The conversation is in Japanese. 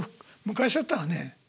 昔だったらね